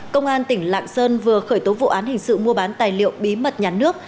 công an tỉnh lạng sơn vừa khởi tố vụ án hình sự mua bán tài liệu bí mật nhà nước